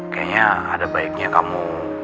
kayaknya ada baiknya kamu